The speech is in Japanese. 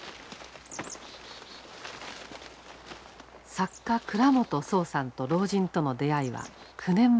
作家倉本聰さんと老人との出会いは９年前に遡る。